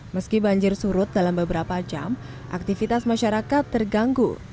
meski banjir surut dalam beberapa jam aktivitas masyarakat terganggu